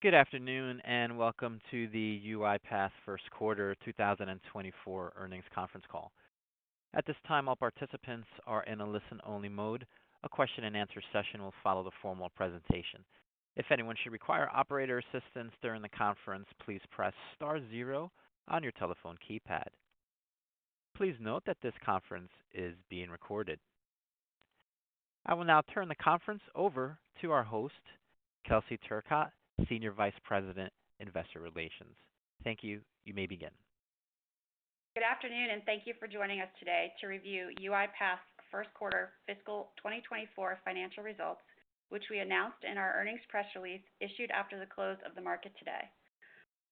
Good afternoon. Welcome to the UiPath First Quarter 2024 Earnings Conference Call. At this time, all participants are in a listen-only mode. A question-and-answer session will follow the formal presentation. If anyone should require operator assistance during the conference, please press star zero on your telephone keypad. Please note that this conference is being recorded. I will now turn the conference over to our host, Kelsey Turcotte, Senior Vice President, Investor Relations. Thank you. You may begin. Good afternoon. Thank you for joining us today to review UiPath's First Quarter Fiscal 2024 Financial Results, which we announced in our earnings press release issued after the close of the market today.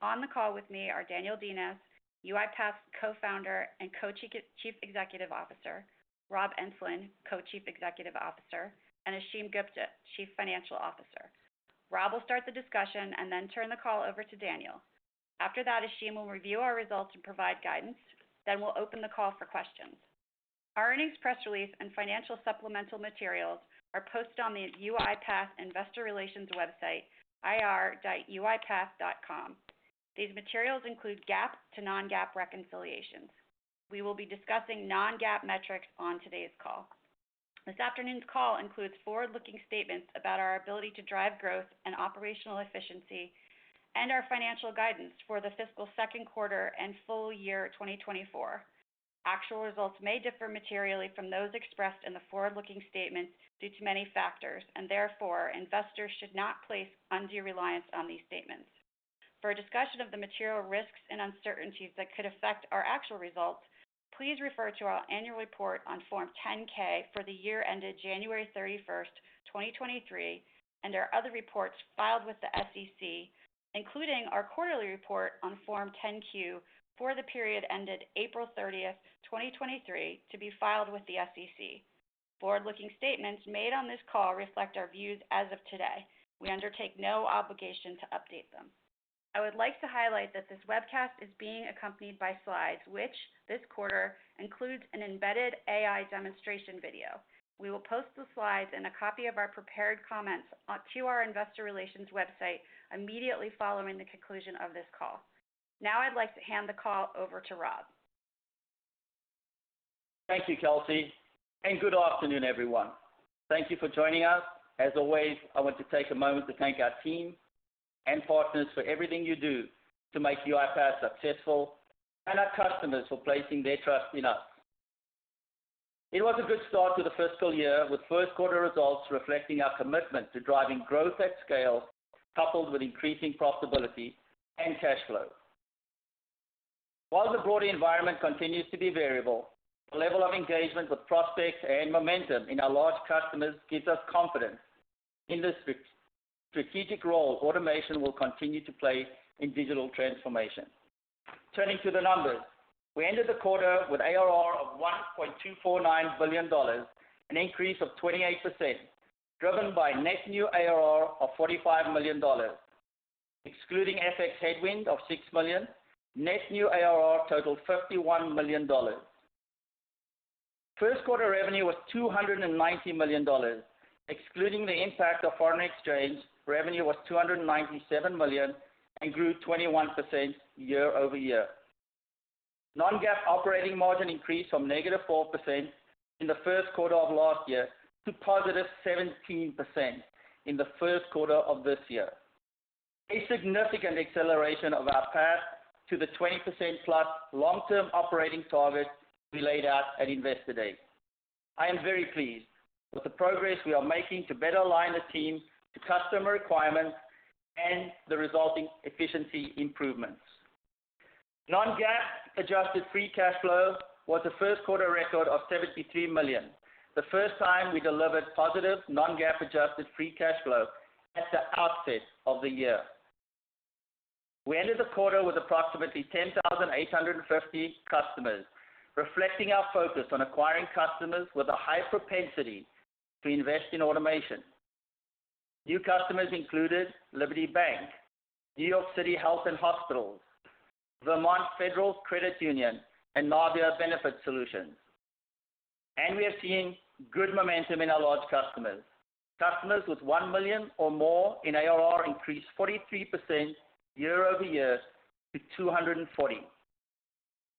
On the call with me are Daniel Dines, UiPath's Co-founder and Co-chief Executive Officer; Rob Enslin, Co-chief Executive Officer; and Ashim Gupta, Chief Financial Officer. Rob will start the discussion and then turn the call over to Daniel. After that, Ashim will review our results and provide guidance. We'll open the call for questions. Our earnings press release and financial supplemental materials are posted on the UiPath Investor Relations website, ir.UiPath.com. These materials include GAAP to non-GAAP reconciliations. We will be discussing non-GAAP metrics on today's call. This afternoon's call includes forward-looking statements about our ability to drive growth and operational efficiency and our financial guidance for the fiscal second quarter and full year 2024. Actual results may differ materially from those expressed in the forward-looking statements due to many factors, and therefore, investors should not place undue reliance on these statements. For a discussion of the material risks and uncertainties that could affect our actual results, please refer to our annual report on Form 10-K for the year ended 31 January 2023, and our other reports filed with the SEC, including our quarterly report on Form 10-Q for the period ended 30 April 2023, to be filed with the SEC. Forward-looking statements made on this call reflect our views as of today. We undertake no obligation to update them. I would like to highlight that this webcast is being accompanied by slides which this quarter includes an embedded AI demonstration video. We will post the slides and a copy of our prepared comments to our investor relations website immediately following the conclusion of this call. I'd like to hand the call over to Rob. Thank you, Kelsey. Good afternoon, everyone. Thank you for joining us. As always, I want to take a moment to thank our team and partners for everything you do to make UiPath successful and our customers for placing their trust in us. It was a good start to the fiscal year, with first quarter results reflecting our commitment to driving growth at scale, coupled with increasing profitability and cash flow. While the broader environment continues to be variable, the level of engagement with prospects and momentum in our large customers gives us confidence in the strategic role automation will continue to play in digital transformation. Turning to the numbers. We ended the quarter with ARR of $1.249 billion, an increase of 28%, driven by net new ARR of $45 million. Excluding FX headwind of $6 million, net new ARR totaled $51 million. First quarter revenue was $290 million. Excluding the impact of foreign exchange, revenue was $297 million and grew 21% year-over-year. non-GAAP operating margin increased from -4% in the first quarter of last year to 17% in the first quarter of this year. A significant acceleration of our path to the 20%+ long-term operating target we laid out at Investor Day. I am very pleased with the progress we are making to better align the team to customer requirements and the resulting efficiency improvements. non-GAAP adjusted free cash flow was a first quarter record of $73 million, the first time we delivered positive non-GAAP adjusted free cash flow at the outset of the year. We ended the quarter with approximately 10,850 customers, reflecting our focus on acquiring customers with a high propensity to invest in automation. New customers included Liberty Bank, NYC Health + Hospitals, Vermont Federal Credit Union, and Navia Benefit Solutions. We are seeing good momentum in our large customers. Customers with $1 million or more in ARR increased 43% year-over-year to 240,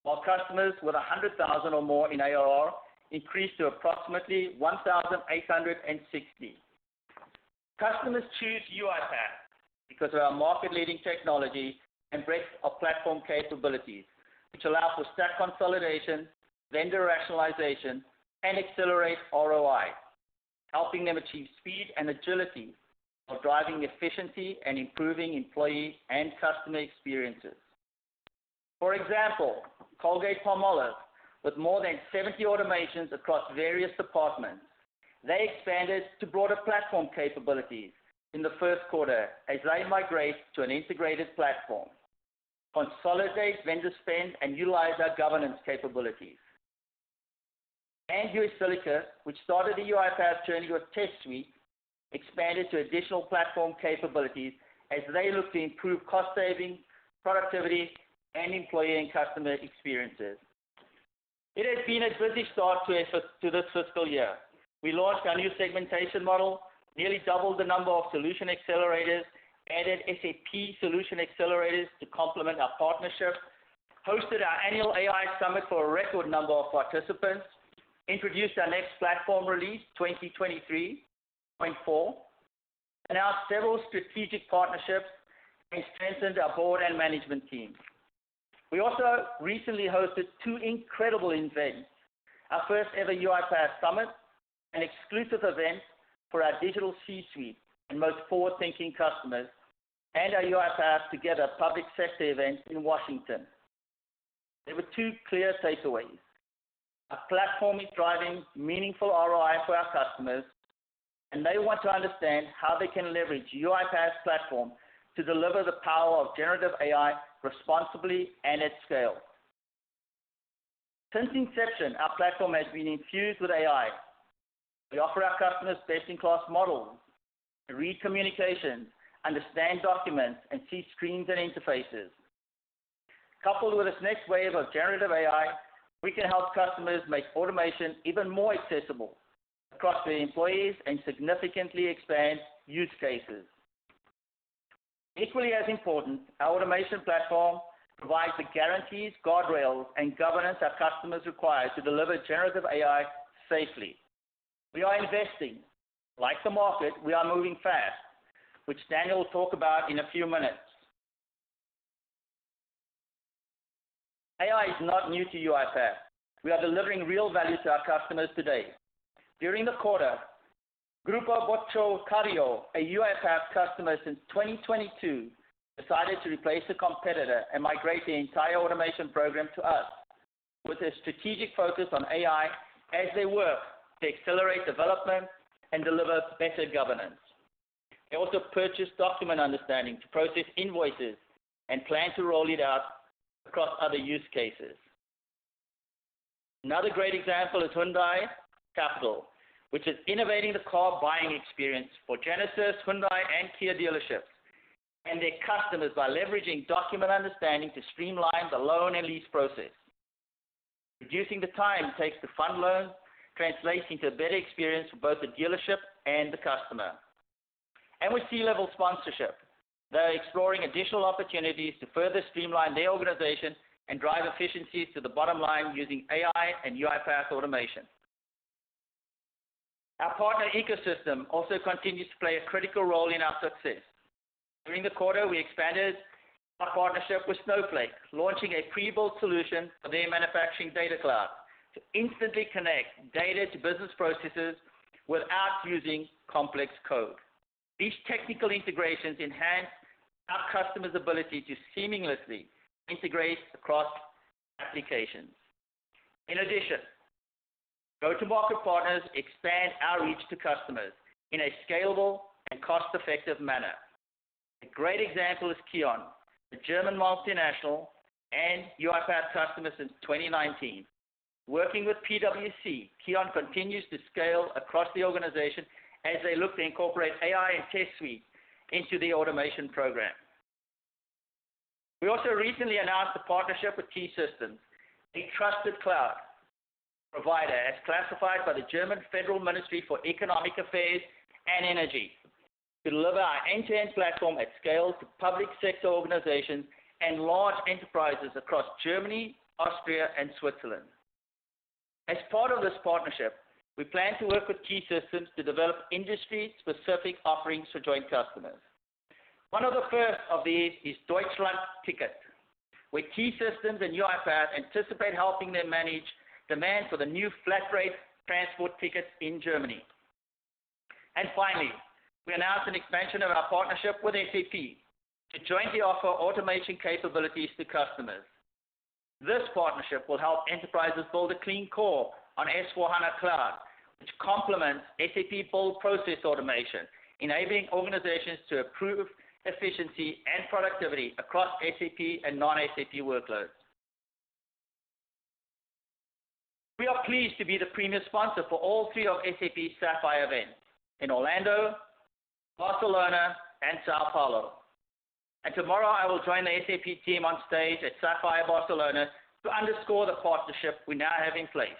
while customers with $100,000 or more in ARR increased to approximately 1,860. Customers choose UiPath because of our market-leading technology and breadth of platform capabilities, which allow for stack consolidation, vendor rationalization, and accelerate ROI, helping them achieve speed and agility while driving efficiency and improving employee and customer experiences. For example, Colgate-Palmolive, with more than 70 automations across various departments, they expanded to broader platform capabilities in the first quarter as they migrate to an integrated platform, consolidate vendor spend, and utilize our governance capabilities. Usiminas, which started the UiPath journey with Test Suite, expanded to additional platform capabilities as they look to improve cost saving, productivity, and employee and customer experiences. It has been a busy start to this fiscal year. We launched our new segmentation model, nearly doubled the number of solution accelerators, added SAP solution accelerators to complement our partnership, hosted our annual AI Summit for a record number of participants, introduced our next platform release 2023.4, announced several strategic partnerships, and strengthened our board and management teams. We also recently hosted two incredible events, our first ever UiPath Summit, an exclusive event for our digital C-suite and most forward-thinking customers, and our UiPath Together public sector event in Washington. There were two clear takeaways: our platform is driving meaningful ROI for our customers, and they want to understand how they can leverage UiPath's platform to deliver the power of generative AI responsibly and at scale. Since inception, our platform has been infused with AI. We offer our customers best-in-class models to read communication, understand documents, and see screens and interfaces. Coupled with this next wave of generative AI, we can help customers make automation even more accessible across their employees and significantly expand use cases. Equally as important, our automation platform provides the guarantees, guardrails, and governance our customers require to deliver generative AI safely. We are investing. Like the market, we are moving fast, which Daniel will talk about in a few minutes. AI is not new to UiPath. We are delivering real value to our customers today. During the quarter, Grupo Boticário, a UiPath customer since 2022, decided to replace a competitor and migrate the entire automation program to us with a strategic focus on AI as they work to accelerate development and deliver better governance. They also purchased Document Understanding to process invoices and plan to roll it out across other use cases. Another great example is Hyundai Capital, which is innovating the car buying experience for Genesis, Hyundai, and Kia dealerships and their customers by leveraging Document Understanding to streamline the loan and lease process. Reducing the time it takes to fund loans translates into a better experience for both the dealership and the customer. With C-level sponsorship, they're exploring additional opportunities to further streamline their organization and drive efficiencies to the bottom line using AI and UiPath automation. Our partner ecosystem also continues to play a critical role in our success. During the quarter, we expanded our partnership with Snowflake, launching a pre-built solution for their Manufacturing Data Cloud to instantly connect data to business processes without using complex code. These technical integrations enhance our customers' ability to seamlessly integrate across applications. In addition, go-to-market partners expand our reach to customers in a scalable and cost-effective manner. A great example is KION, the German multinational and UiPath customer since 2019. Working with PwC, KION continues to scale across the organization as they look to incorporate AI and Test Suite into the automation program. We also recently announced a partnership with T-Systems, a trusted cloud provider, as classified by the German Federal Ministry for Economic Affairs and Energy, to deliver our end-to-end platform at scale to public sector organizations and large enterprises across Germany, Austria, and Switzerland. As part of this partnership, we plan to work with T-Systems to develop industry-specific offerings for joint customers. One of the first of these is DeutschlandTicket, where T-Systems and UiPath anticipate helping them manage demand for the new flat rate transport ticket in Germany. Finally, we announced an expansion of our partnership with SAP to jointly offer automation capabilities to customers. This partnership will help enterprises build a clean core on S/4HANA Cloud, which complements SAP full process automation, enabling organizations to improve efficiency and productivity across SAP and non-SAP workloads. We are pleased to be the premier sponsor for all three of SAP's Sapphire events in Orlando, Barcelona, and São Paulo. Tomorrow, I will join the SAP team on stage at Sapphire Barcelona to underscore the partnership we now have in place.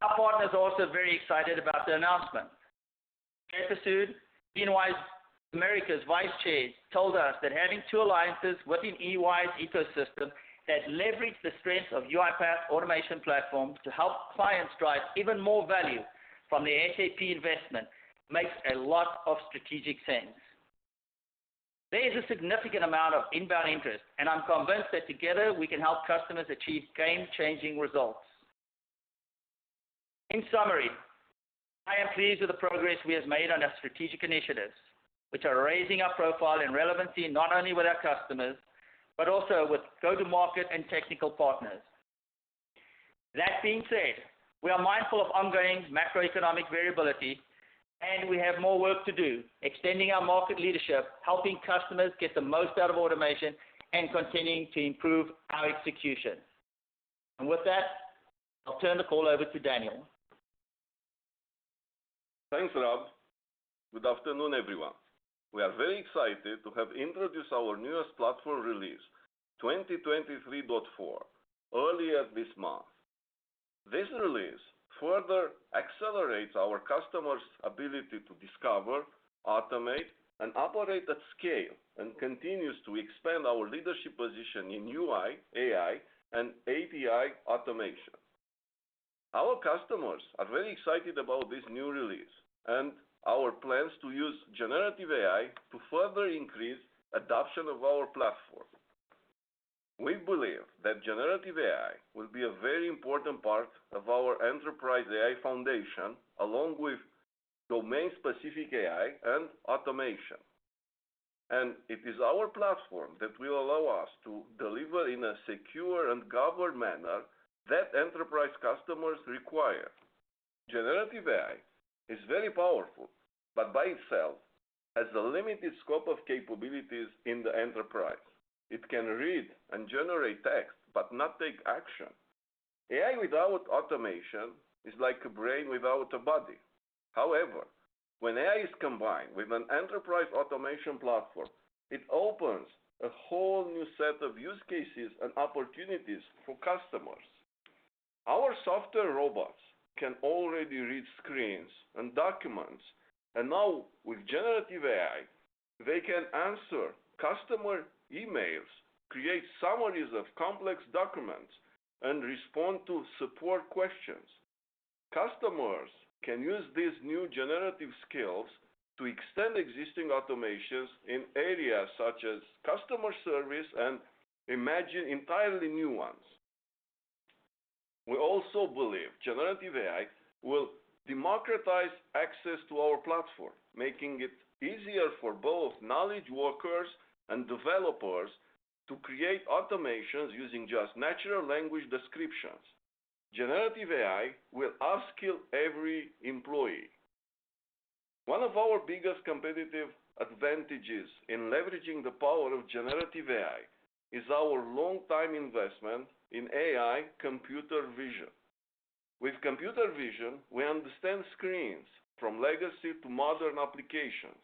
Our partners are also very excited about the announcement. Jeff Wray, EY America's Vice Chair, told us that having two alliances within EY's ecosystem that leverage the strength of UiPath's automation platform to help clients drive even more value from their SAP investment makes a lot of strategic sense. There is a significant amount of inbound interest, and I'm convinced that together we can help customers achieve game-changing results. In summary, I am pleased with the progress we have made on our strategic initiatives, which are raising our profile and relevancy not only with our customers but also with go-to-market and technical partners. That being said, we are mindful of ongoing macroeconomic variability, and we have more work to do extending our market leadership, helping customers get the most out of automation, and continuing to improve our execution. With that, I'll turn the call over to Daniel. Thanks, Rob. Good afternoon, everyone. We are very excited to have introduced our newest platform release, 2023.4, earlier this month. This release further accelerates our customers' ability to discover, automate, and operate at scale, and continues to expand our leadership position in UI, AI, and API automation. Our customers are very excited about this new release and our plans to use generative AI to further increase adoption of our platform. We believe that generative AI will be a very important part of our enterprise AI foundation, along with domain-specific AI and automation. It is our platform that will allow us to deliver in a secure and governed manner that enterprise customers require. Generative AI is very powerful, but by itself has a limited scope of capabilities in the enterprise. It can read and generate text but not take action. AI without automation is like a brain without a body. However, when AI is combined with an enterprise automation platform, it opens a whole new set of use cases and opportunities for customers. Our software robots can already read screens and documents, and now with generative AI, they can answer customer emails, create summaries of complex documents, and respond to support questions. Customers can use these new generative skills to extend existing automations in areas such as customer service and imagine entirely new ones. We also believe generative AI will democratize access to our platform, making it easier for both knowledge workers and developers to create automations using just natural language descriptions. Generative AI will upskill every employee. One of our biggest competitive advantages in leveraging the power of generative AI is our long time investment in AI computer vision. With computer vision, we understand screens from legacy to modern applications,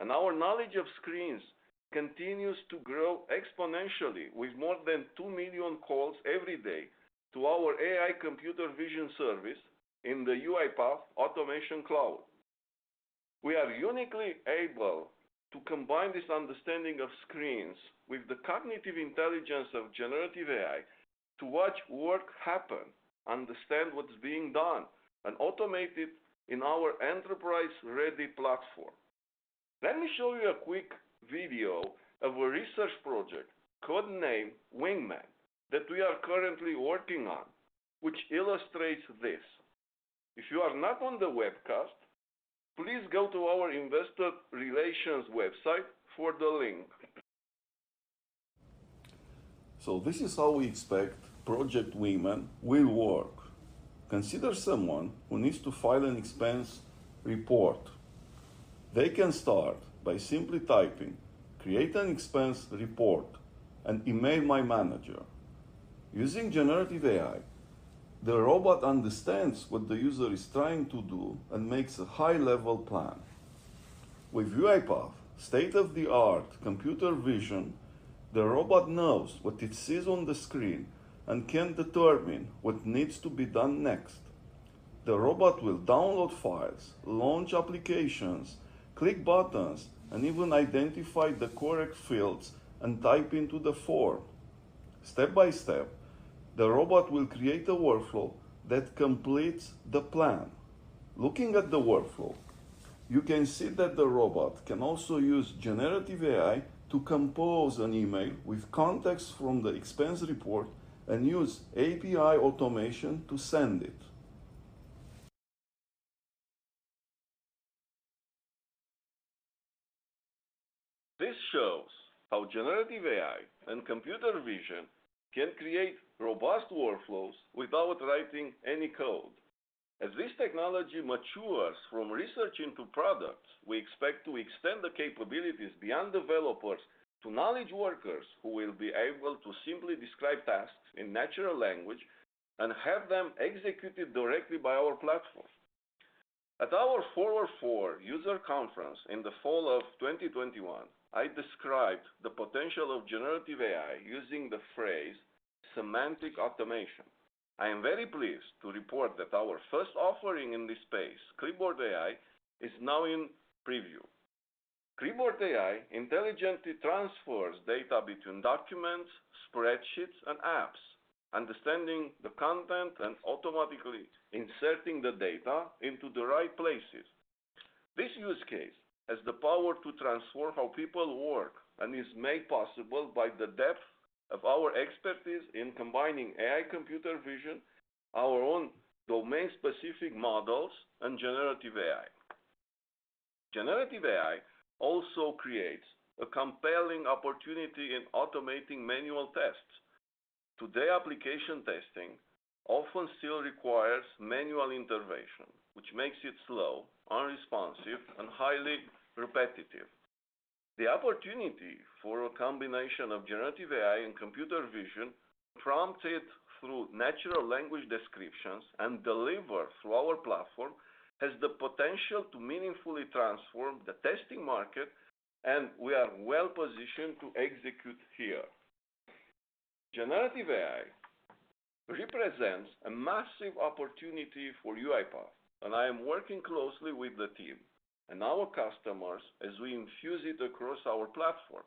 and our knowledge of screens continues to grow exponentially with more than two million calls every day to our AI computer vision service in the UiPath Automation Cloud. We are uniquely able to combine this understanding of screens with the cognitive intelligence of generative AI to watch work happen, understand what's being done, and automate it in our enterprise-ready platform. Let me show you a quick video of a research project, code-named Wingman, that we are currently working on, which illustrates this. If you are not on the webcast, please go to our investor relations website for the link. This is how we expect Project Wingman will work. Consider someone who needs to file an expense report. They can start by simply typing, "Create an expense report and email my manager." Using generative AI, the robot understands what the user is trying to do and makes a high-level plan. With UiPath state-of-the-art computer vision, the robot knows what it sees on the screen and can determine what needs to be done next. The robot will download files, launch applications, click buttons, and even identify the correct fields and type into the form. Step by step, the robot will create a workflow that completes the plan. Looking at the workflow, you can see that the robot can also use generative AI to compose an email with context from the expense report and use API automation to send it. This shows how generative AI and computer vision can create robust workflows without writing any code. As this technology matures from research into products, we expect to extend the capabilities beyond developers to knowledge workers who will be able to simply describe tasks in natural language and have them executed directly by our platform. At our FORWARD user conference in the fall of 2021, I described the potential of generative AI using the phrase Semantic Automation. I am very pleased to report that our first offering in this space, Clipboard AI, is now in preview. Clipboard AI intelligently transfers data between documents, spreadsheets, and apps, understanding the content and automatically inserting the data into the right places. This use case has the power to transform how people work and is made possible by the depth of our expertise in combining AI computer vision, our own domain-specific models, and generative AI. Generative AI also creates a compelling opportunity in automating manual tests. Today application testing often still requires manual intervention, which makes it slow, unresponsive, and highly repetitive. The opportunity for a combination of generative AI and computer vision prompted through natural language descriptions and delivered through our platform, has the potential to meaningfully transform the testing market, and we are well positioned to execute here. Generative AI represents a massive opportunity for UiPath, I am working closely with the team and our customers as we infuse it across our platform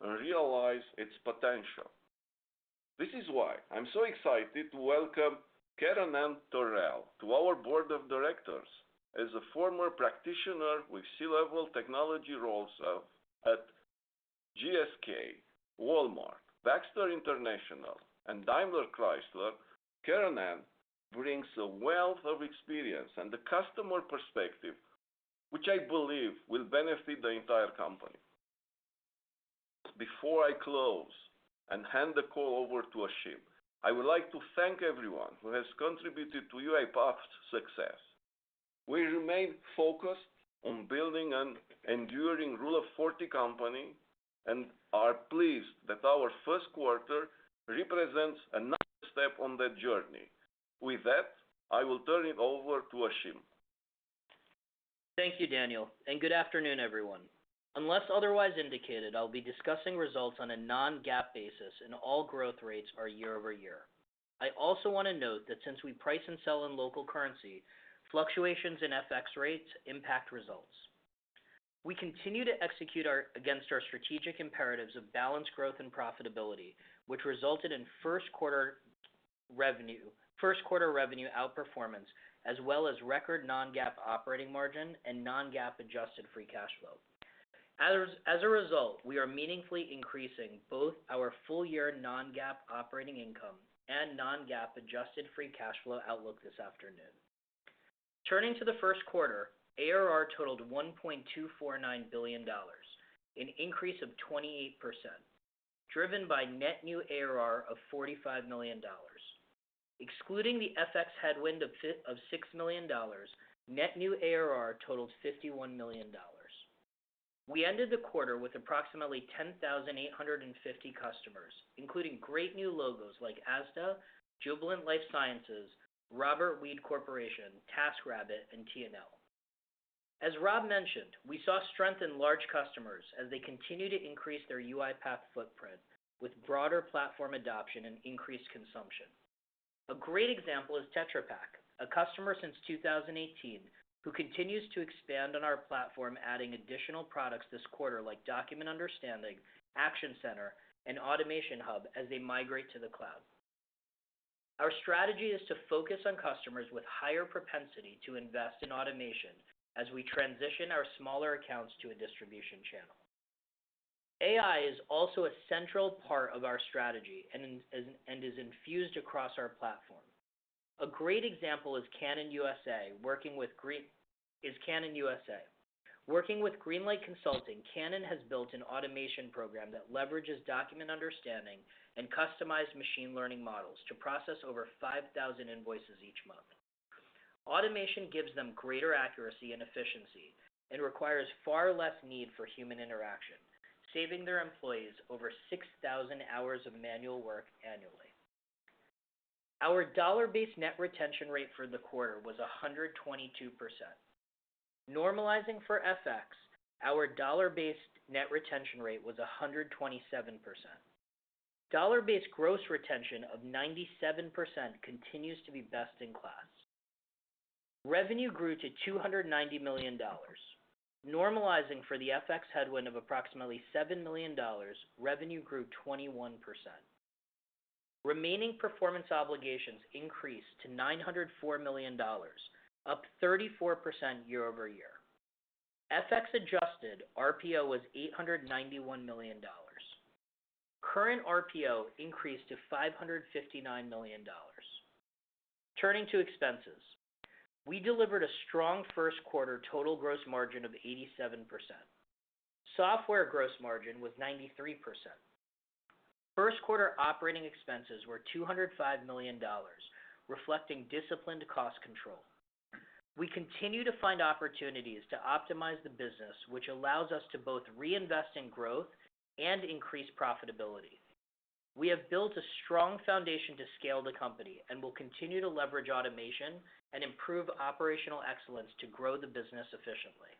and realize its potential. This is why I'm so excited to welcome Karenann Terrell to our board of directors. As a former practitioner with C-level technology roles at GSK, Walmart, Baxter International, and DaimlerChrysler, Karenann brings a wealth of experience and the customer perspective, which I believe will benefit the entire company. Before I close and hand the call over to Ashim, I would like to thank everyone who has contributed to UiPath's success. We remain focused on building an enduring Rule of 40 company and are pleased that our first quarter represents another step on that journey. With that, I will turn it over to Ashim. Thank you, Daniel. Good afternoon, everyone. Unless otherwise indicated, I'll be discussing results on a non-GAAP basis, and all growth rates are year-over-year. I also want to note that since we price and sell in local currency, fluctuations in FX rates impact results. We continue to execute against our strategic imperatives of balanced growth and profitability, which resulted in first quarter revenue outperformance, as well as record non-GAAP operating margin and non-GAAP adjusted free cash flow. As a result, we are meaningfully increasing both our full year non-GAAP operating income and non-GAAP adjusted free cash flow outlook this afternoon. Turning to the first quarter, ARR totaled $1.249 billion, an increase of 28%, driven by Net New ARR of $45 million. Excluding the FX headwind of $6 million, net new ARR totaled $51 million. We ended the quarter with approximately 10,850 customers, including great new logos like Asda, Jubilant Life Sciences, Robert Weed Corporation, TaskRabbit, and Tri-Wall. As Rob mentioned, we saw strength in large customers as they continue to increase their UiPath footprint with broader platform adoption and increased consumption. A great example is Tetra Pak, a customer since 2018, who continues to expand on our platform, adding additional products this quarter like Document Understanding, Action Center, and Automation Hub as they migrate to the cloud. Our strategy is to focus on customers with higher propensity to invest in automation as we transition our smaller accounts to a distribution channel. AI is also a central part of our strategy, and is infused across our platform. A great example is Canon U.S.A. Working with Greenlight Consulting, Canon has built an automation program that leverages Document Understanding and customized machine learning models to process over 5,000 invoices each month. Automation gives them greater accuracy and efficiency and requires far less need for human interaction, saving their employees over 6,000 hours of manual work annually. Our dollar-based net retention rate for the quarter was 122%. Normalizing for FX, our dollar-based net retention rate was 127%. Dollar-based gross retention of 97% continues to be best in class. Revenue grew to $290 million. Normalizing for the FX headwind of approximately $7 million, revenue grew 21%. Remaining performance obligations increased to $904 million, up 34% year-over-year. FX adjusted RPO was $891 million. Current RPO increased to $559 million. Turning to expenses. We delivered a strong first quarter total gross margin of 87%. Software gross margin was 93%. First quarter operating expenses were $205 million, reflecting disciplined cost control. We continue to find opportunities to optimize the business, which allows us to both reinvest in growth and increase profitability. We have built a strong foundation to scale the company and will continue to leverage automation and improve operational excellence to grow the business efficiently.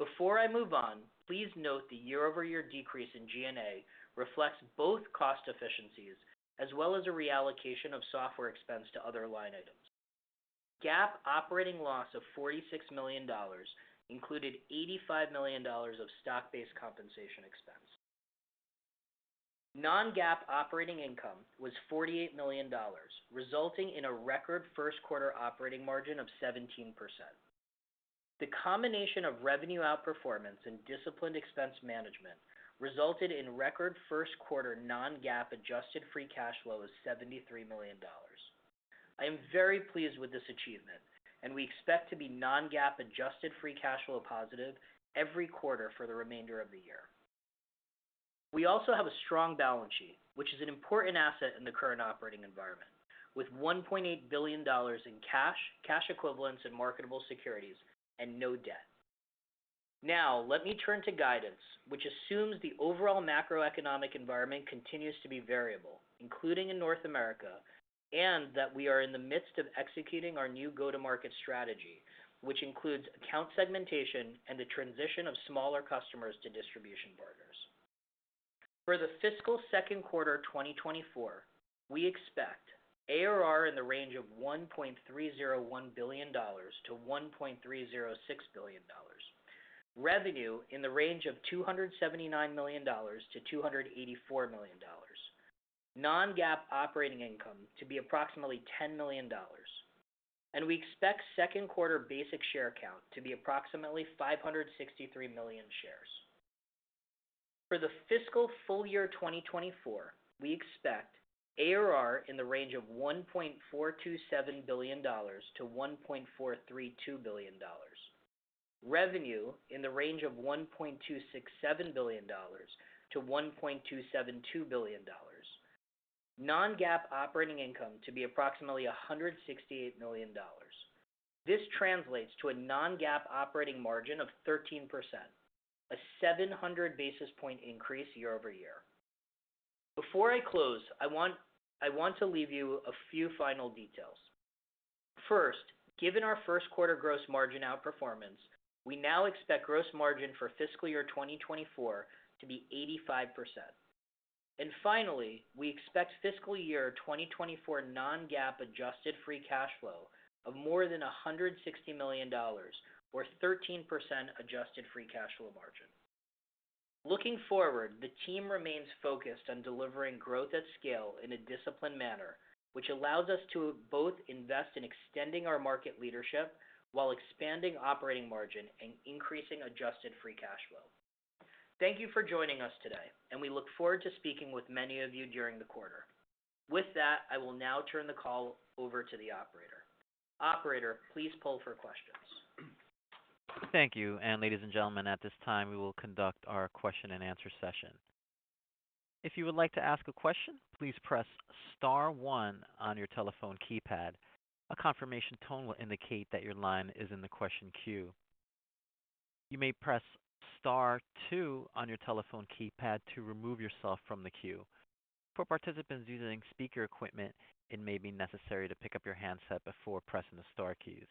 Before I move on, please note the year-over-year decrease in GNA reflects both cost efficiencies as well as a reallocation of software expense to other line items. GAAP operating loss of $46 million included $85 million of stock-based compensation expense. Non-GAAP operating income was $48 million, resulting in a record first quarter operating margin of 17%. The combination of revenue outperformance and disciplined expense management resulted in record first quarter non-GAAP adjusted free cash flow of $73 million. I am very pleased with this achievement, we expect to be non-GAAP adjusted free cash flow positive every quarter for the remainder of the year. We also have a strong balance sheet, which is an important asset in the current operating environment, with $1.8 billion in cash equivalents, and marketable securities, and no debt. Now, let me turn to guidance, which assumes the overall macroeconomic environment continues to be variable, including in North America, and that we are in the midst of executing our new go-to-market strategy, which includes account segmentation and the transition of smaller customers to distribution partners. For the fiscal second quarter 2024, we expect ARR in the range of $1.301 billion-$1.306 billion, revenue in the range of $279 million-$284 million. Non-GAAP operating income to be approximately $10 million. We expect second quarter basic share count to be approximately 563 million shares. For the fiscal full year 2024, we expect ARR in the range of $1.427 billion-$1.432 billion, revenue in the range of $1.267 billion-$1.272 billion. Non-GAAP operating income to be approximately $168 million. This translates to a Non-GAAP operating margin of 13%, a 700 basis point increase year-over-year. Before I close, I want to leave you a few final details. First, given our first quarter gross margin outperformance, we now expect gross margin for fiscal year 2024 to be 85%. Finally, we expect fiscal year 2024 non-GAAP adjusted free cash flow of more than $160 million or 13% adjusted free cash flow margin. Looking forward, the team remains focused on delivering growth at scale in a disciplined manner, which allows us to both invest in extending our market leadership while expanding operating margin and increasing adjusted free cash flow. Thank you for joining us today, and we look forward to speaking with many of you during the quarter. With that, I will now turn the call over to the operator. Operator, please poll for questions. Thank you. Ladies and gentlemen, at this time, we will conduct our question-and-answer session. If you would like to ask a question, please press star one on your telephone keypad. A confirmation tone will indicate that your line is in the question queue. You may press star two on your telephone keypad to remove yourself from the queue. For participants using speaker equipment, it may be necessary to pick up your handset before pressing the star keys.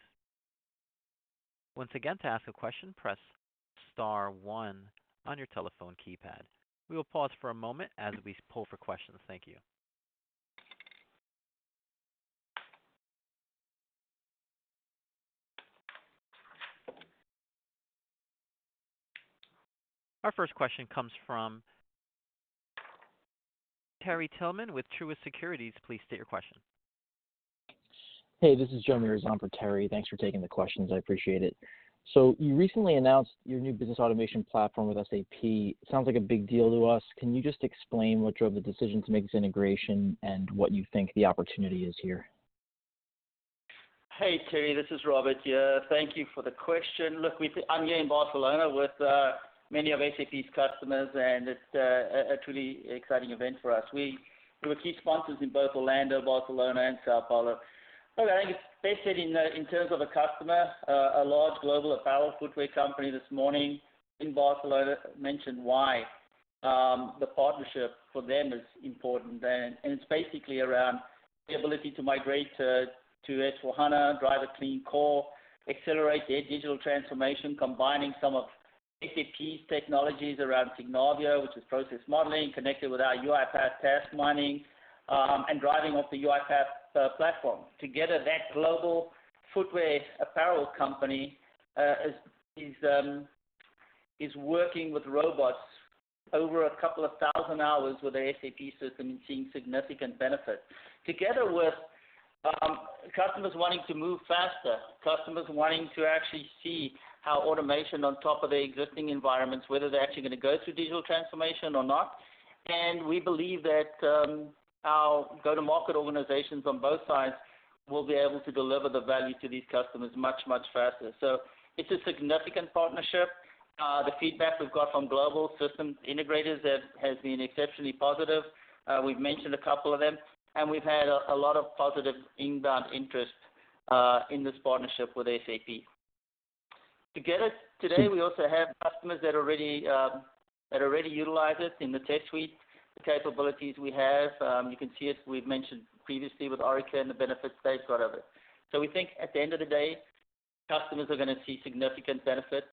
Once again, to ask a question, press star one on your telephone keypad. We will pause for a moment as we poll for questions. Thank you. Our first question comes from Terry Tillman with Truist Securities. Please state your question. Hey, this is John Malone for Terry. Thanks for taking the questions. I appreciate it. You recently announced your new business automation platform with SAP. Sounds like a big deal to us. Can you just explain what drove the decision to make this integration and what you think the opportunity is here? Hey, Terry. This is Rob here. Thank you for the question. I'm here in Barcelona with many of SAP's customers, and it's a truly exciting event for us. We were key sponsors in both Orlando, Barcelona, and São Paulo. I think it's best said in terms of a customer, a large global apparel footwear company this morning in Barcelona mentioned why the partnership for them is important. It's basically around the ability to migrate to S/4HANA, drive a clean core, accelerate their digital transformation, combining some of SAP's technologies around SAP Signavio, which is process modeling, connected with our Task Mining, and driving off the UiPath platform. Together, that global footwear apparel company is working with robots over a couple of 1,000 hours with the SAP system and seeing significant benefit. Together with customers wanting to move faster, customers wanting to actually see how automation on top of their existing environments, whether they're actually going to go through digital transformation or not. We believe that our go-to-market organizations on both sides will be able to deliver the value to these customers much, much faster. It's a significant partnership. The feedback we've got from global system integrators has been exceptionally positive. We've mentioned a couple of them, and we've had a lot of positive inbound interest in this partnership with SAP. Together today, we also have customers that already utilize it in the Test Suite, the capabilities we have. You can see, as we've mentioned previously with Oracle and the benefits they've got of it. We think at the end of the day, customers are going to see significant benefit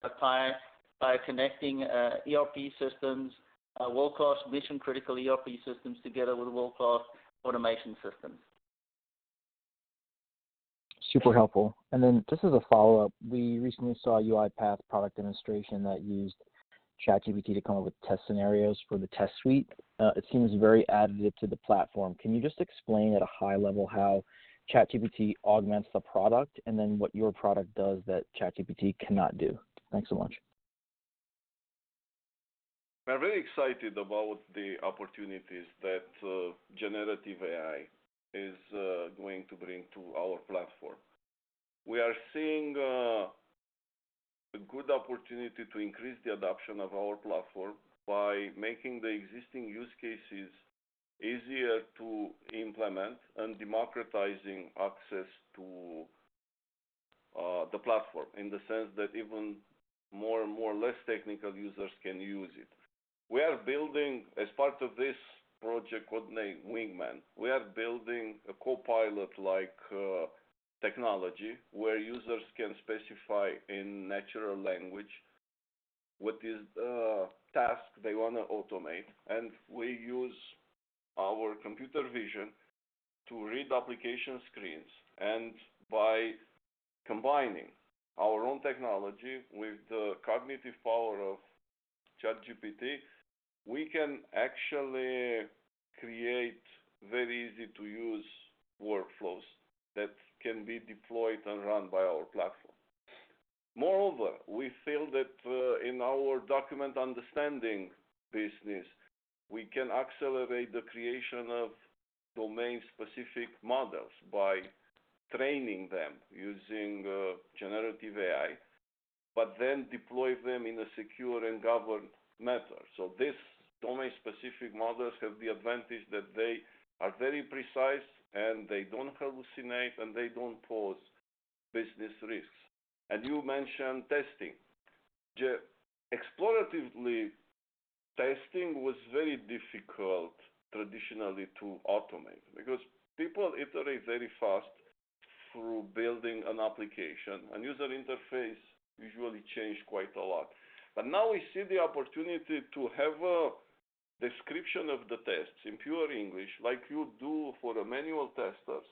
by connecting, ERP systems, world-class mission-critical ERP systems together with world-class automation systems. Super helpful. Just as a follow-up, we recently saw a UiPath product demonstration that used ChatGPT to come up with test scenarios for the Test Suite. It seems very additive to the platform. Can you just explain at a high level how ChatGPT augments the product and then what your product does that ChatGPT cannot do? Thanks so much. We're very excited about the opportunities that generative AI is going to bring to our platform. We are seeing. A good opportunity to increase the adoption of our platform by making the existing use cases easier to implement and democratizing access to the platform in the sense that even more and more less technical users can use it. We are building as part of this project code-named Wingman. We are building a copilot-like technology where users can specify in natural language what is a task they wanna automate. And we use our computer vision to read application screens. And by combining our own technology with the cognitive power of ChatGPT, we can actually create very easy-to-use workflows that can be deployed and run by our platform. Moreover, we feel that in our Document Understanding business, we can accelerate the creation of domain-specific models by training them using generative AI, but then deploy them in a secure and governed manner. These domain-specific models have the advantage that they are very precise, and they don't hallucinate, and they don't pose business risks. You mentioned testing. Exploratively, testing was very difficult traditionally to automate because people iterate very fast through building an application. User interface usually change quite a lot. Now we see the opportunity to have a description of the tests in pure English, like you do for the manual testers.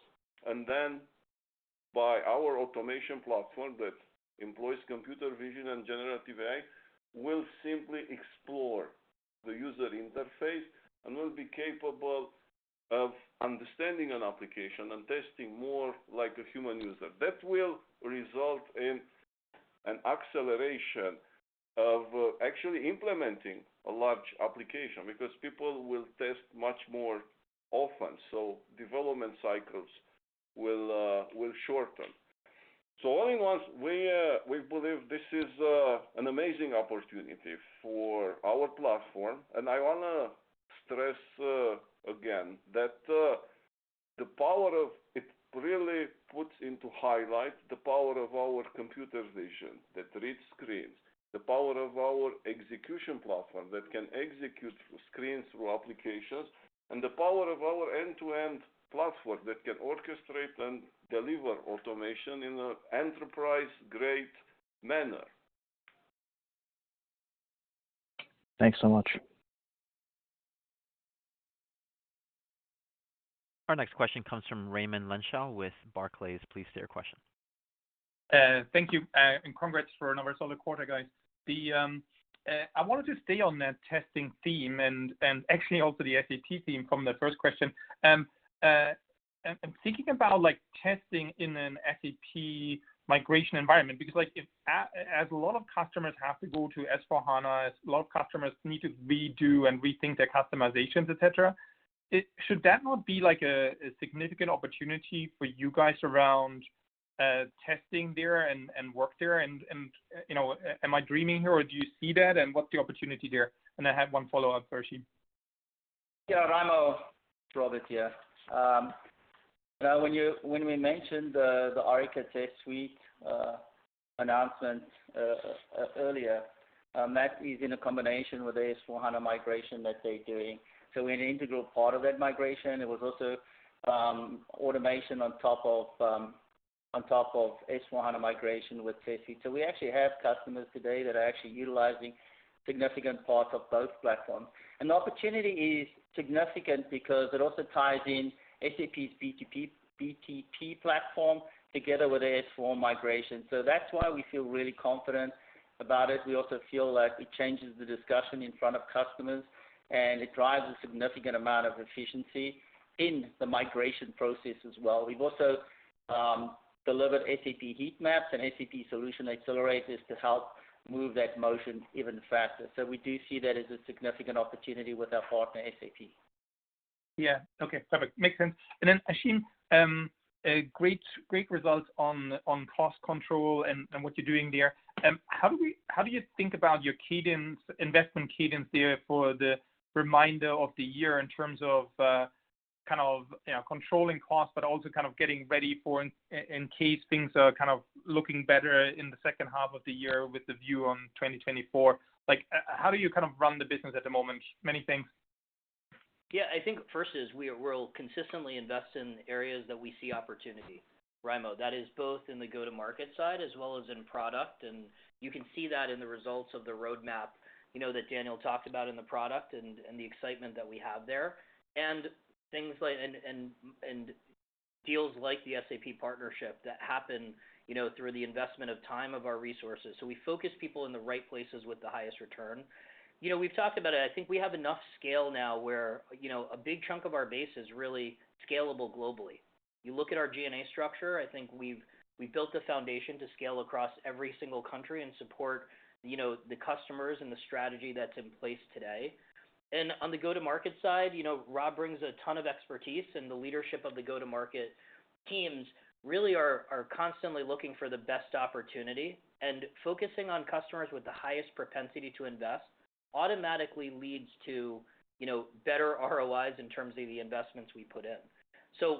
Then by our automation platform that employs computer vision and generative AI, we'll simply explore the user interface and will be capable of understanding an application and testing more like a human user. That will result in an acceleration of actually implementing a large application because people will test much more often, development cycles will shorten. All in all, we believe this is an amazing opportunity for our platform. I wanna stress again that it really puts into highlight the power of our computer vision that reads screens, the power of our execution platform that can execute through screens, through applications, and the power of our end-to-end platform that can orchestrate and deliver automation in an enterprise-grade manner. Thanks so much. Our next question comes from Raimo Lenschow with Barclays. Please state your question. Thank you, and congrats for another solid quarter, guys. I wanted to stay on that testing theme and actually also the SAP theme from the first question. I'm thinking about like testing in an SAP migration environment because like if as a lot of customers have to go to S/4HANA, as a lot of customers need to redo and rethink their customizations, et cetera, should that not be like a significant opportunity for you guys around testing there and work there and, you know, am I dreaming here or do you see that and what's the opportunity there? I have one follow-up for Ashim. Yeah, Raymond. Rob here. When we mentioned the UiPath Test Suite announcement earlier, that is in a combination with the S/4HANA migration that they're doing. An integral part of that migration, it was also automation on top of S/4HANA migration with Tricentis. We actually have customers today that are actually utilizing significant parts of both platforms. The opportunity is significant because it also ties in SAP's BTP platform together with the S/4 migration. That's why we feel really confident about it. We also feel like it changes the discussion in front of customers, and it drives a significant amount of efficiency in the migration process as well. We've also delivered SAP heat maps and SAP solution accelerators to help move that motion even faster. We do see that as a significant opportunity with our partner, SAP. Yeah. Okay, perfect. Makes sense. Then Ashim, great results on cost control and what you're doing there. How do you think about your cadence, investment cadence there for the remainder of the year in terms of, kind of, you know, controlling costs, but also getting ready for in case things are looking better in the second half of the year with the view on 2024? Like how do you run the business at the moment? Many things. Yeah. I think first is we'll consistently invest in areas that we see opportunity, Raymond. That is both in the go-to-market side as well as in product. You can see that in the results of the roadmap, you know, that Daniel talked about in the product and the excitement that we have there. Things like deals like the SAP partnership that happen, you know, through the investment of time of our resources. We focus people in the right places with the highest return. You know, we've talked about it. I think we have enough scale now where, you know, a big chunk of our base is really scalable globally. You look at our G&A structure. I think we've built the foundation to scale across every single country and support, you know, the customers and the strategy that's in place today. On the go-to-market side, you know, Rob brings a ton of expertise, and the leadership of the go-to-market teams really are constantly looking for the best opportunity. Focusing on customers with the highest propensity to invest automatically leads to, you know, better ROIs in terms of the investments we put in.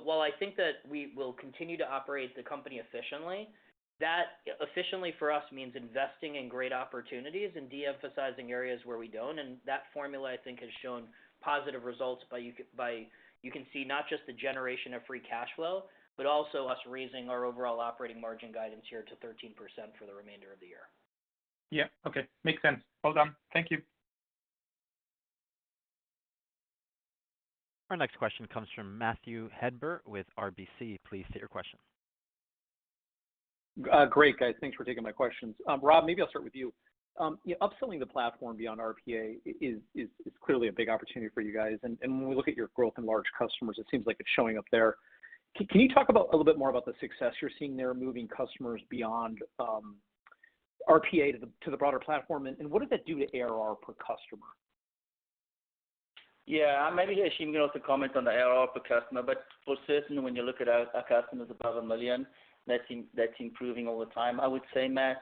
While I think that we will continue to operate the company efficiently, that efficiently for us means investing in great opportunities and de-emphasizing areas where we don't. That formula, I think, has shown positive results by you can see not just the generation of free cash flow, but also us raising our overall operating margin guidance here to 13% for the remainder of the year. Yeah. Okay. Makes sense. Well done. Thank you. Our next question comes from Matthew Hedberg with RBC. Please state your question. Great, guys. Thanks for taking my questions. Rob, maybe I'll start with you. you know, upselling the platform beyond RPA is clearly a big opportunity for you guys. When we look at your growth in large customers, it seems like it's showing up there. Can you talk about a little bit more about the success you're seeing there moving customers beyond RPA to the broader platform? What does that do to ARR per customer? Maybe Ashim can also comment on the ARR per customer. For certain, when you look at our customers above $1 million, that's improving all the time. I would say, Matt,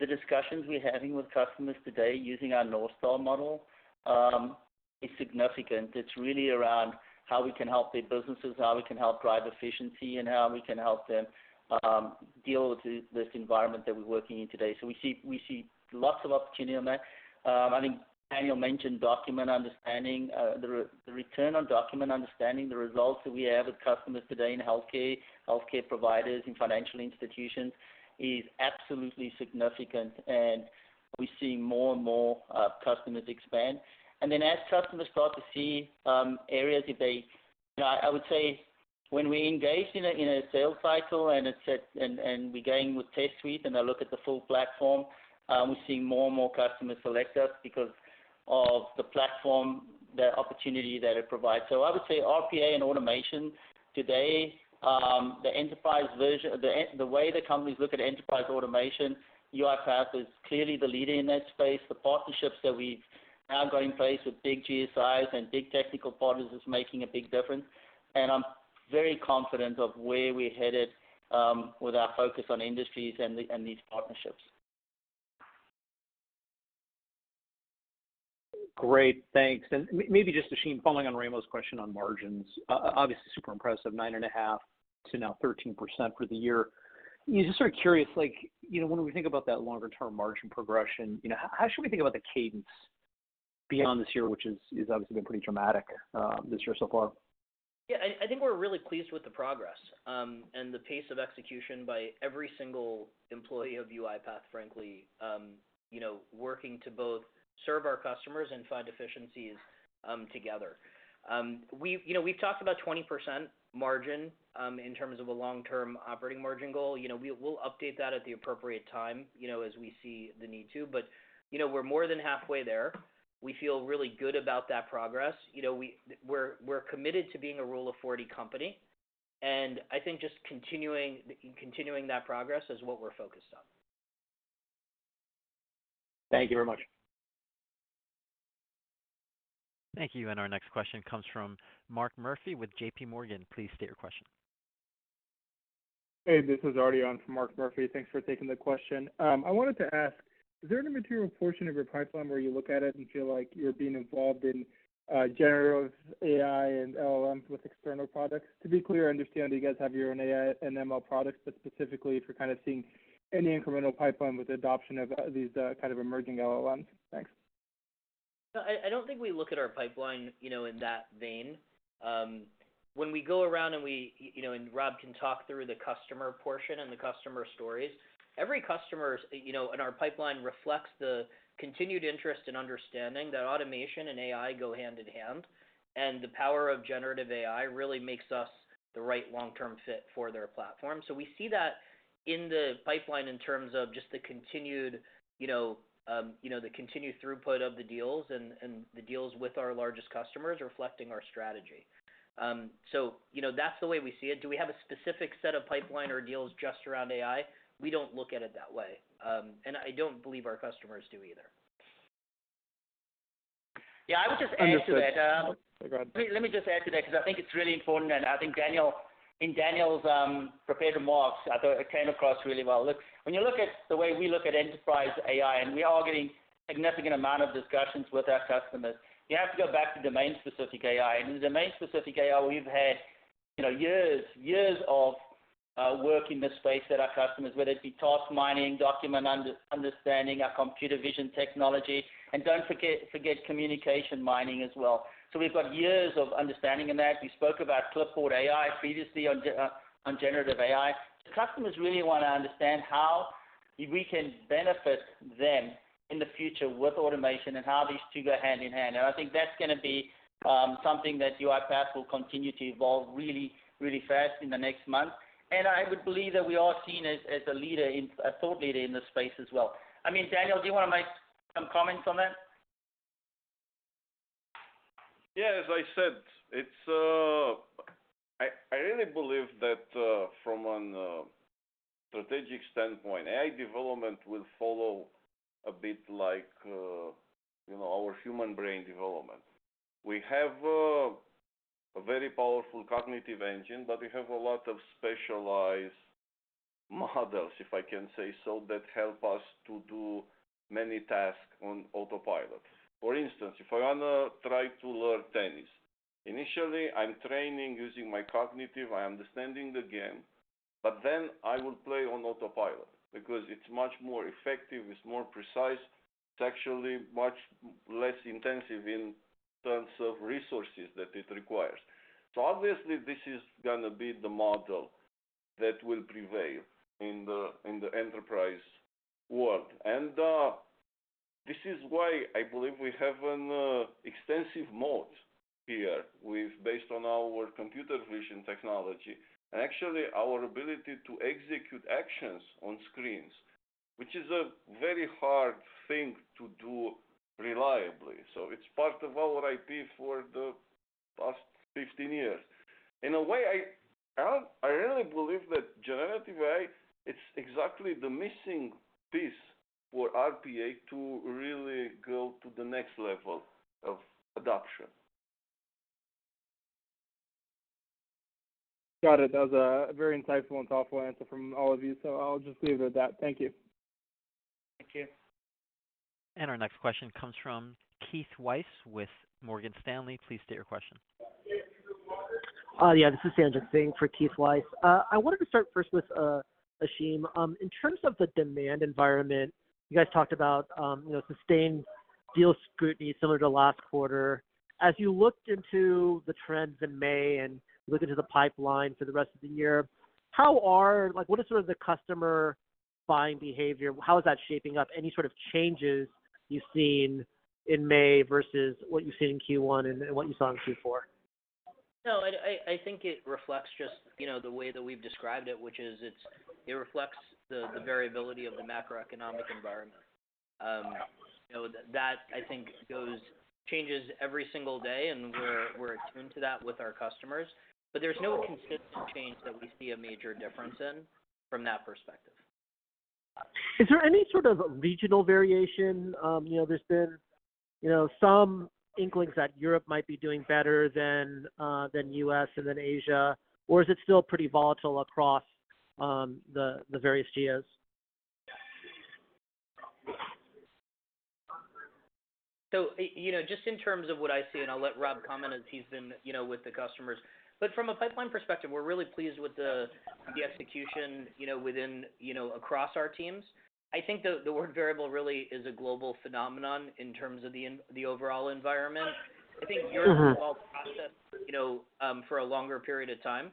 the discussions we're having with customers today using our North Star model is significant. It's really around how we can help their businesses, how we can help drive efficiency, and how we can help them deal with this environment that we're working in today. We see lots of opportunity on that. I think Daniel mentioned Document Understanding. The return on Document Understanding, the results that we have with customers today in healthcare providers, in financial institutions is absolutely significant, and we're seeing more and more customers expand. As customers start to see areas. You know, I would say when we engage in a sales cycle and we're going with Test Suite and they look at the full platform, we're seeing more and more customers select us because of the platform, the opportunity that it provides. I would say RPA and automation today, the way the companies look at enterprise automation, UiPath is clearly the leader in that space. The partnerships that we've now got in place with big GSIs and big technical partners is making a big difference, and I'm very confident of where we're headed with our focus on industries and these partnerships. Great. Thanks. Maybe just, Ashim, following on Raimo's question on margins. Obviously super impressive, 9.5% to now 13% for the year. Just sort of curious, like, you know, when we think about that longer-term margin progression, you know, how should we think about the cadence beyond this year, which is obviously been pretty dramatic, this year so far? Yeah. I think we're really pleased with the progress and the pace of execution by every single employee of UiPath, frankly, you know, working to both serve our customers and find efficiencies together. We've talked about 20% margin in terms of a long-term operating margin goal. You know, we'll update that at the appropriate time, you know, as we see the need to. You know, we're more than halfway there. We feel really good about that progress. You know, we're committed to being a Rule of 40 company, and I think just continuing that progress is what we're focused on. Thank you very much. Thank you. Our next question comes from Mark Murphy with JPMorgan. Please state your question. Hey, this is Arti for Mark Murphy. Thanks for taking the question. I wanted to ask, is there any material portion of your pipeline where you look at it and feel like you're being involved in generative AI and LLMs with external products? To be clear, I understand you guys have your own AI and ML products, but specifically if you're kind of seeing any incremental pipeline with the adoption of these kind of emerging LLMs. Thanks. No, I don't think we look at our pipeline, you know, in that vein. When we go around and we, you know, Rob can talk through the customer portion and the customer stories. Every customer's, you know, and our pipeline reflects the continued interest in understanding that automation and AI go hand in hand, and the power of generative AI really makes us the right long-term fit for their platform. We see that in the pipeline in terms of just the continued, you know, the continued throughput of the deals and the deals with our largest customers reflecting our strategy. You know, that's the way we see it. Do we have a specific set of pipeline or deals just around AI? We don't look at it that way. I don't believe our customers do either. Yeah. I would just add to that, Understood. Oh, go on. Let me just add to that 'cause I think it's really important, and I think in Daniel's prepared remarks, I thought it came across really well. Look, when you look at the way we look at enterprise AI, and we are getting significant amount of discussions with our customers, you have to go back to domain-specific AI. In domain-specific AI, we've had, you know, years of work in this space at our customers, whether it be Task Mining, Document Understanding, our computer vision technology, and don't forget Communications Mining as well. We've got years of understanding in that. We spoke about Clipboard AI previously on generative AI. The customers really want to understand how if we can benefit them in the future with automation and how these two go hand in hand. I think that's gonna be something that UiPath will continue to evolve really, really fast in the next month. I would believe that we are seen as a leader, a thought leader in this space as well. I mean, Daniel, do you wanna make some comments on that? Yeah, as I said, it's. I really believe that from a strategic standpoint, AI development will follow a bit like, you know, our human brain development. We have a very powerful cognitive engine, but we have a lot of specialized models, if I can say so, that help us to do many tasks on autopilot. For instance, if I wanna try to learn tennis. Initially, I'm training using my cognitive, I'm understanding the game, but then I will play on autopilot because it's much more effective, it's more precise. It's actually much less intensive in terms of resources that it requires. Obviously, this is gonna be the model that will prevail in the enterprise world. This is why I believe we have an extensive mode here based on our computer vision technology, and actually our ability to execute actions on screens, which is a very hard thing to do reliably. It's part of our IP for the past 15 years. In a way, I really believe that generative AI is exactly the missing piece for RPA to really go to the next level of adoption. Got it. That was a very insightful and thoughtful answer from all of you, so I'll just leave it at that. Thank you. Thank you. Our next question comes from Keith Weiss with Morgan Stanley. Please state your question. Yeah, this is Sanjit Singh for Keith Weiss. I wanted to start first with Ashim. In terms of the demand environment, you guys talked about, you know, sustained deal scrutiny similar to last quarter. As you looked into the trends in May and looked into the pipeline for the rest of the year, like, what is sort of the customer buying behavior? How is that shaping up? Any sort of changes you've seen in May versus what you've seen in Q1 and what you saw in Q4? No, I think it reflects just, you know, the way that we've described it, which is it reflects the variability of the macroeconomic environment. You know, that I think changes every single day, and we're attuned to that with our customers. There's no consistent change that we see a major difference in from that perspective. Is there any sort of regional variation? you know, there's been, you know, some inklings that Europe might be doing better than U.S. and than Asia. Or is it still pretty volatile across the various GOs? You know, just in terms of what I see, and I'll let Rob comment as he's been, you know, with the customers. From a pipeline perspective, we're really pleased with the execution, you know, within, you know, across our teams. I think the word variable really is a global phenomenon in terms of the overall environment. Will process, you know, for a longer period of time,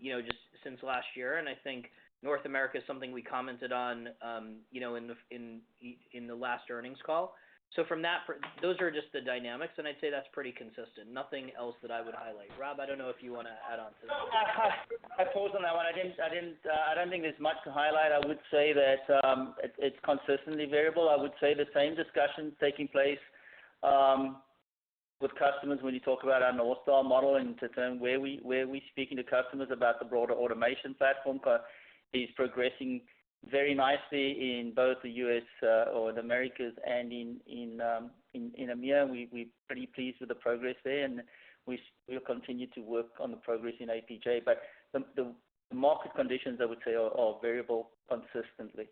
you know, just since last year. I think North America is something we commented on, you know, in the last earnings call. Those are just the dynamics, and I'd say that's pretty consistent. Nothing else that I would highlight. Rob, I don't know if you wanna add on to that. I paused on that one. I didn't, I don't think there's much to highlight. I would say that it's consistently variable. I would say the same discussion's taking place with customers when you talk about our North Star model and to term where we're speaking to customers about the broader automation platform. It's progressing very nicely in both the U.S. or the Americas and in EMEA. We'll continue to work on the progress in APJ. The market conditions, I would say, are variable consistently.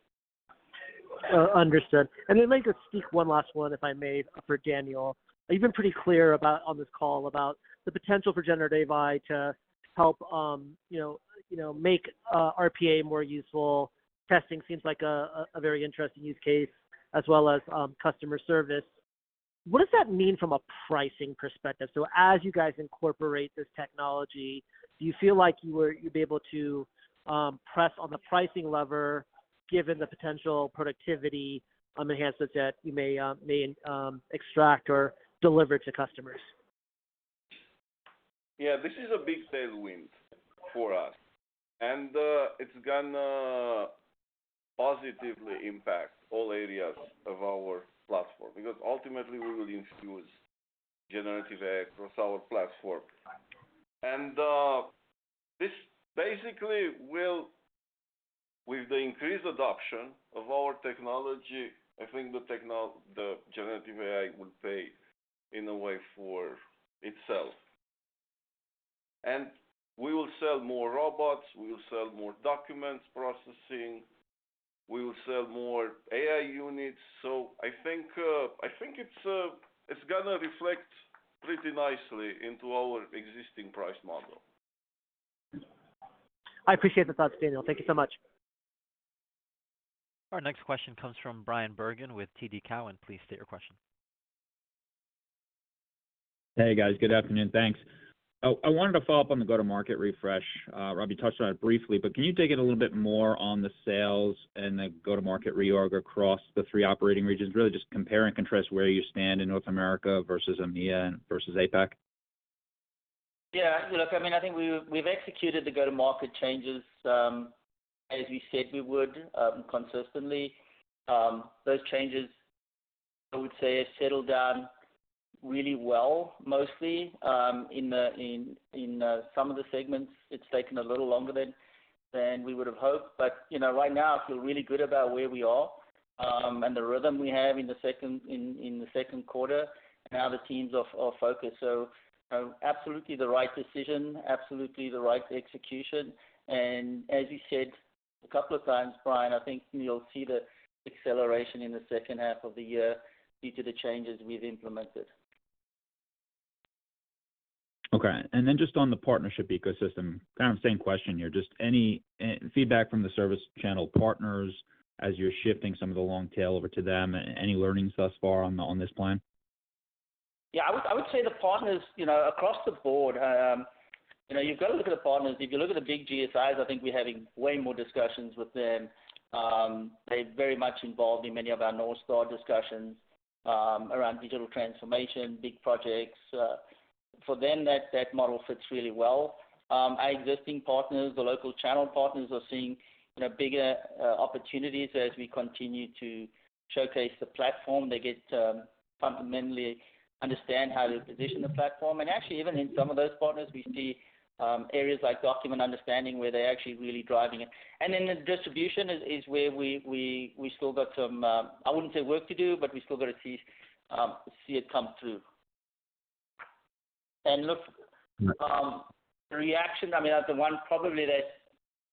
Understood. Then maybe just sneak one last one, if I may, for Daniel. You've been pretty clear on this call about the potential for generative AI to help, you know, you know, make RPA more useful. Testing seems like a very interesting use case as well as customer service. What does that mean from a pricing perspective? As you guys incorporate this technology, do you feel like you'd be able to press on the pricing lever given the potential productivity enhancements that you may extract or deliver to customers? Yeah. This is a big tailwind for us. It's gonna positively impact all areas of our platform because ultimately we will infuse generative AI across our platform. This basically will, with the increased adoption of our technology, I think the generative AI would pay in a way for itself. We will sell more robots, we will sell more documents processing, we will sell more AI units. I think I think it's gonna reflect pretty nicely into our existing price model. I appreciate the thoughts, Daniel. Thank you so much. Our next question comes from Bryan Bergin with TD Cowen. Please state your question. Hey, guys. Good afternoon. Thanks. I wanted to follow up on the go-to-market refresh. Rob, you touched on it briefly, but can you dig in a little bit more on the sales and the go-to-market reorg across the three operating regions? Really just compare and contrast where you stand in North America versus EMEA versus APAC. Yeah, look, I mean, I think we've executed the go-to-market changes as we said we would consistently. Those changes, I would say, have settled down really well, mostly. In some of the segments, it's taken a little longer than we would have hoped. You know, right now I feel really good about where we are and the rhythm we have in the second quarter and how the teams are focused. Absolutely the right decision, absolutely the right execution. As you said a couple of times, Bryan, I think you'll see the acceleration in the second half of the year due to the changes we've implemented. Okay. Just on the partnership ecosystem, kind of same question here. Just any feedback from the service channel partners as you're shifting some of the long tail over to them? Any learnings thus far on this plan? Yeah, I would say the partners, you know, across the board, you know, you've got to look at the partners. If you look at the big GSIs, I think we're having way more discussions with them. They're very much involved in many of our North Star discussions, around digital transformation, big projects. For them, that model fits really well. Our existing partners, the local channel partners, are seeing, you know, bigger opportunities as we continue to showcase the platform. They get to fundamentally understand how to position the platform. Actually, even in some of those partners, we see areas like Document Understanding, where they're actually really driving it. Then the distribution is where we still got some, I wouldn't say work to do, but we still got to see it come through. And look the reaction, I mean, the one probably that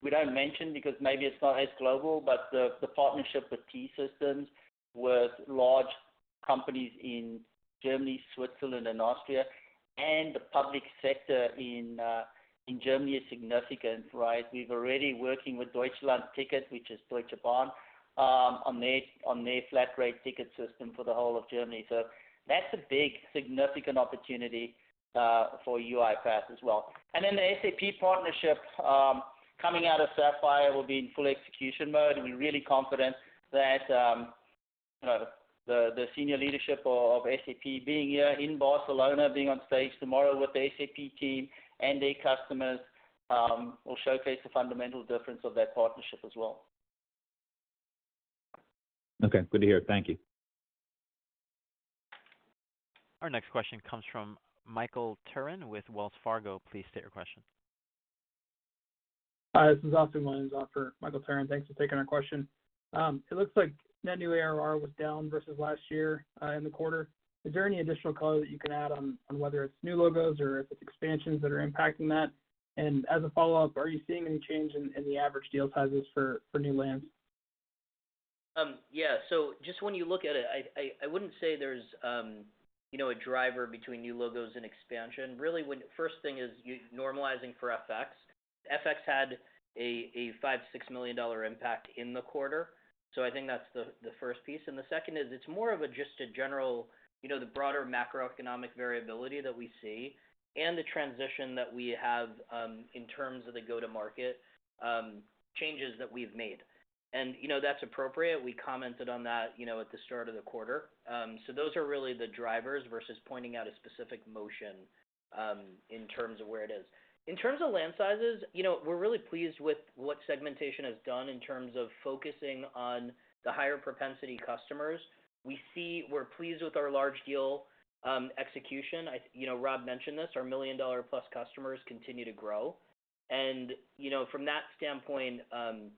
we don't mention because maybe it's not as global, the partnership with T-Systems with large companies in Germany, Switzerland, and Austria, and the public sector in Germany is significant, right? We're already working with Deutschlandticket, which is Deutsche Bahn, on their flat rate ticket system for the whole of Germany. That's a big significant opportunity for UiPath as well. The SAP partnership coming out of Sapphire will be in full execution mode. We're really confident that, you know, the senior leadership of SAP being here in Barcelona, being on stage tomorrow with the SAP team and their customers will showcase the fundamental difference of that partnership as well. Okay, good to hear. Thank you. Our next question comes from Michael Turrin with Wells Fargo. Please state your question. Hi, this is Austin Williams for Michael Turrin. Thanks for taking our question. It looks like Net New ARR was down versus last year in the quarter. Is there any additional color that you can add on whether it's new logos or if it's expansions that are impacting that? As a follow-up, are you seeing any change in the average deal sizes for new lands? Yeah. Just when you look at it, I wouldn't say there's, you know, a driver between new logos and expansion. Really first thing is normalizing for FX. FX had a $5 million to $6 million impact in the quarter. I think that's the first piece. The second is it's more of a just a general, you know, the broader macroeconomic variability that we see and the transition that we have in terms of the go-to-market changes that we've made. You know, that's appropriate. We commented on that, you know, at the start of the quarter. Those are really the drivers versus pointing out a specific motion in terms of where it is. In terms of land sizes, you know, we're really pleased with what segmentation has done in terms of focusing on the higher propensity customers. We're pleased with our large deal execution. You know, Rob mentioned this, our $1 million+ customers continue to grow. From that standpoint, you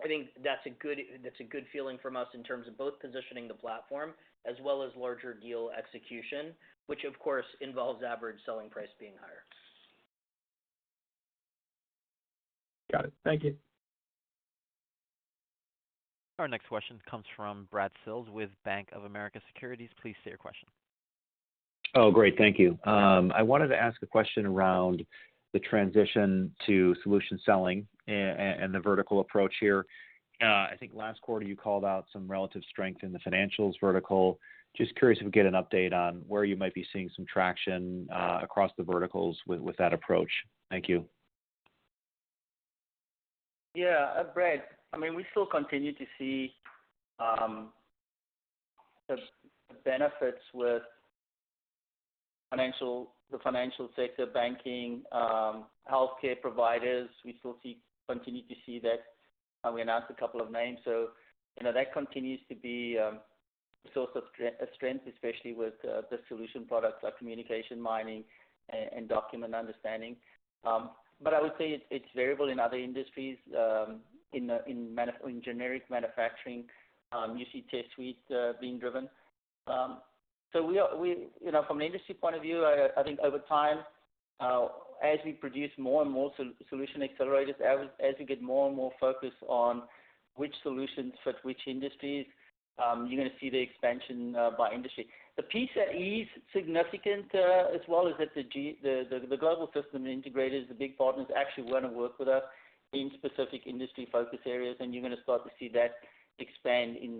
know, I think that's a good feeling from us in terms of both positioning the platform as well as larger deal execution, which of course involves average selling price being higher. Got it. Thank you. Our next question comes from Brad Sills with Bank of America Securities. Please state your question. Great. Thank you. I wanted to ask a question around the transition to solution selling and the vertical approach here. I think last quarter you called out some relative strength in the financials vertical. Just curious if we get an update on where you might be seeing some traction across the verticals with that approach. Thank you. Yeah. Brad, I mean, we still continue to see the benefits with the financial sector, banking, healthcare providers. We still continue to see that. We announced a couple of names. You know, that continues to be a source of strength, especially with the solution products like Communications Mining and Document Understanding. I would say it's variable in other industries. In generic manufacturing, you see Test Suite being driven. We, you know, from an industry point of view, I think over time, as we produce more and more solution accelerators, as we get more and more focused on which solutions fit which industries, you're gonna see the expansion by industry. The piece that is significant, as well is that the Global System Integrators, the big partners actually wanna work with us in specific industry focus areas, and you're gonna start to see that expand in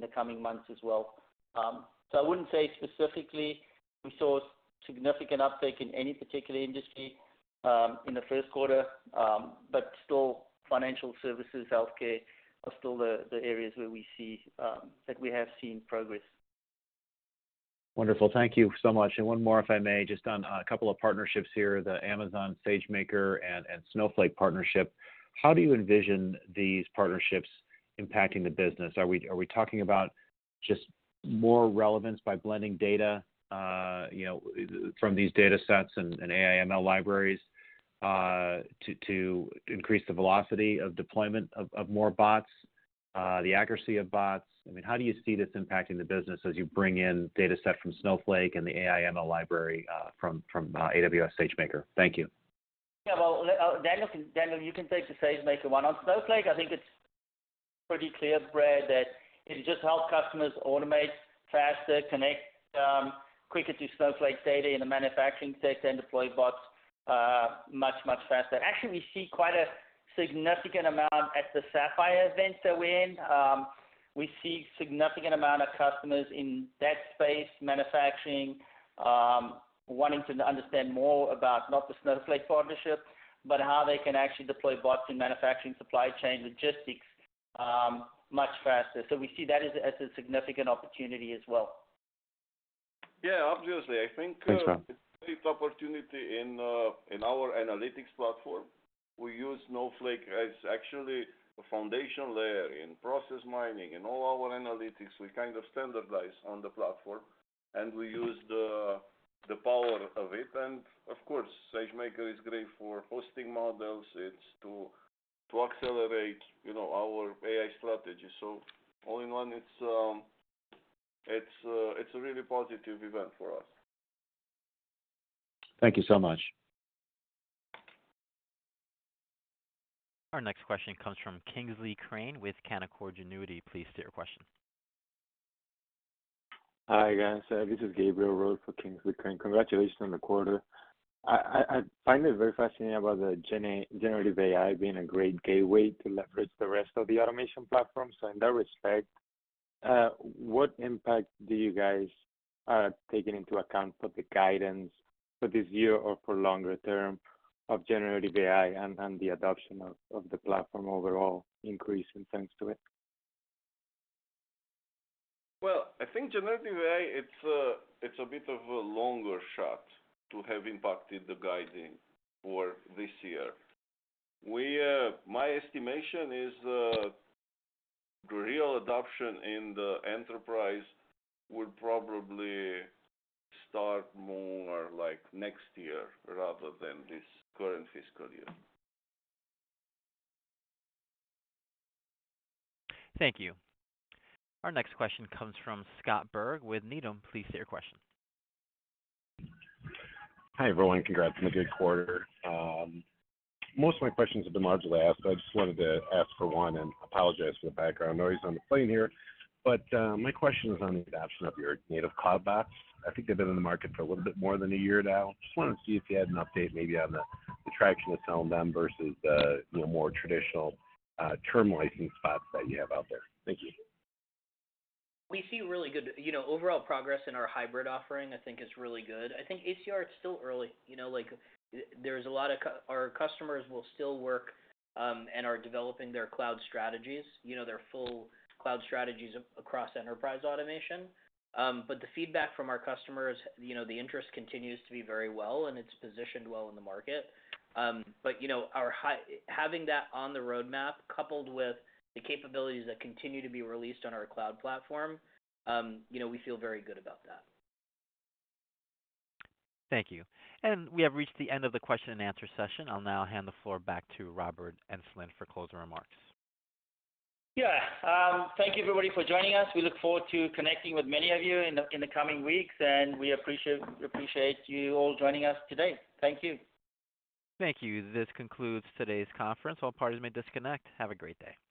the coming months as well. I wouldn't say specifically we saw a significant uptick in any particular industry in the first quarter, but still financial services, healthcare are still the areas where we see that we have seen progress. Wonderful. Thank you so much. One more, if I may, just on a couple of partnerships here, the Amazon SageMaker and Snowflake partnership. How do you envision these partnerships impacting the business? Are we talking about just more relevance by blending data, you know, from these data sets and AI/ML libraries to increase the velocity of deployment of more bots, the accuracy of bots? I mean, how do you see this impacting the business as you bring in data set from Snowflake and the AI/ML library from AWS SageMaker? Thank you. Well, Daniel, you can take the SageMaker one. On Snowflake, I think it's pretty clear, Brad, that it'll just help customers automate faster, connect quicker to Snowflake's data in the manufacturing sector and deploy bots much faster. Actually, we see quite a significant amount at the Sapphire event that we're in. We see significant amount of customers in that space, manufacturing, wanting to understand more about not the Snowflake partnership, but how they can actually deploy bots in manufacturing, supply chain, logistics much faster. We see that as a significant opportunity as well. Yeah. Obviously, I think Thanks, Rob. It's a big opportunity in our analytics platform. We use Snowflake as actually a foundation layer in Process Mining. In all our analytics, we kind of standardize on the platform, and we use the power of it. Of course, SageMaker is great for hosting models. It's to accelerate, you know, our AI strategy. All in one, it's a really positive event for us. Thank you so much. Our next question comes from Kingsley Crane with Canaccord Genuity. Please state your question. Hi, guys. This is George Kurosawa for Kingsley Crane. Congratulations on the quarter. I find it very fascinating about the generative AI being a great gateway to leverage the rest of the automation platform. In that respect, what impact do you guys taken into account for the guidance for this year or for longer term of generative AI and the adoption of the platform overall increase in thanks to it? Well, I think generative AI, it's a bit of a longer shot to have impacted the guiding for this year. My estimation is the real adoption in the enterprise will probably start more like next year rather than this current fiscal year. Thank you. Our next question comes from Scott Berg with Needham. Please state your question. Hi, everyone. Congrats on a good quarter. Most of my questions have been largely asked, but I just wanted to ask for one and apologize for the background noise on the plane here. My question is on the adoption of your native cloud bots. I think they've been in the market for a little bit more than a year now. Just wanted to see if you had an update maybe on the traction that's on them versus the more traditional term licensing spots that you have out there. Thank you. We see really good, you know, overall progress in our hybrid offering, I think is really good. I think ARR, it's still early. You know, like there's a lot of Our customers will still work and are developing their cloud strategies, you know, their full cloud strategies across enterprise automation. The feedback from our customers, you know, the interest continues to be very well, and it's positioned well in the market. You know, our having that on the roadmap coupled with the capabilities that continue to be released on our cloud platform, you know, we feel very good about that. Thank you. We have reached the end of the question and answer session. I'll now hand the floor back to Robert Enslin for closing remarks. Yeah. Thank you everybody for joining us. We look forward to connecting with many of you in the coming weeks, we appreciate you all joining us today. Thank you. Thank you. This concludes today's conference. All parties may disconnect. Have a great day.